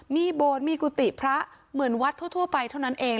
มีโบสถ์มีกุฏิพระเหมือนวัดทั่วไปเท่านั้นเอง